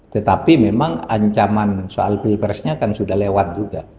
tetapi memang ancaman soal pilpresnya kan sudah lewat juga